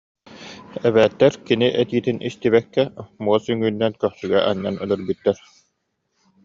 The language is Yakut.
Эбээттэр кини этиитин истибэккэ муос үҥүүнэн көхсүгэ анньан өлөрбүттэр